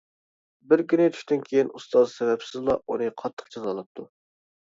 بىر كۈنى چۈشتىن كېيىن، ئۇستاز سەۋەبسىزلا ئۇنى قاتتىق جازالاپتۇ.